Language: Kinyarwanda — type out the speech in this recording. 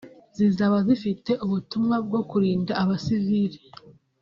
zizaba zifite ubutumwa bwo kurinda abasivili